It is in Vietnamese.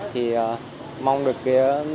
thì mong được cái